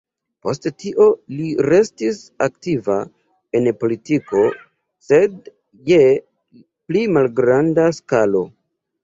Post tio, li restis aktiva en politiko, sed je pli malgranda skalo.